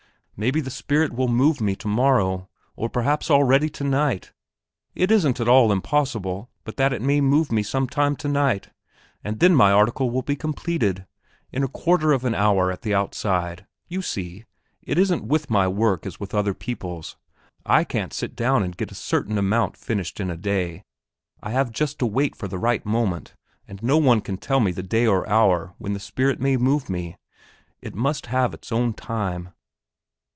Maybe the spirit will move me tomorrow, or perhaps already, tonight; it isn't at all impossible but that it may move me some time tonight, and then my article will be completed in a quarter of an hour at the outside. You see, it isn't with my work as with other people's; I can't sit down and get a certain amount finished in a day. I have just to wait for the right moment, and no one can tell the day or hour when the spirit may move one it must have its own time...."